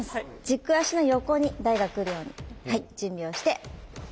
軸足の横に台がくるようにはい準備をして。